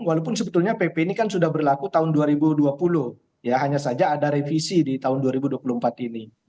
walaupun sebetulnya pp ini kan sudah berlaku tahun dua ribu dua puluh ya hanya saja ada revisi di tahun dua ribu dua puluh empat ini